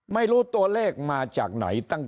ไม่รู้ตัวเลขมาจากไหน